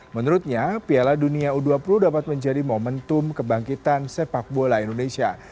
menurutnya piala dunia u dua puluh dapat menjadi momentum kebangkitan sepak bola indonesia